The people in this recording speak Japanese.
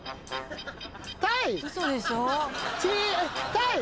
タイ。